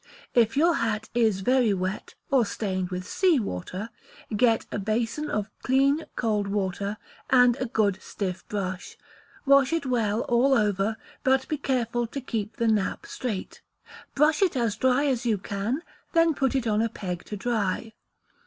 If your hat is VERY wet, or stained with sea water, get a basin of clean cold water, and a good stiff brush; wash it well all over, but be careful to keep the nap straight; brush it as dry as you can, then put it on a peg to dry.